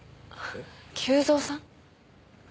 久造さん。